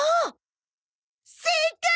正解！